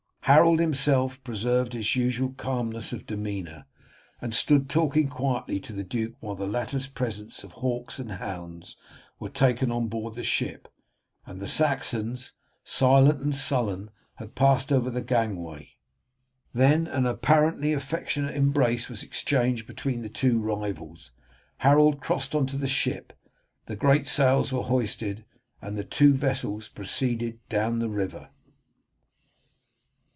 Harold himself preserved his usual calmness of demeanour, and stood talking quietly to the duke while the latter's presents of hawks and hounds were taken on board the ship, and the Saxons, silent and sullen, had passed over the gangway. Then an apparently affectionate embrace was exchanged between the two rivals. Harold crossed on to the ship, the great sails were hoisted, and the two vessels proceeded down the river.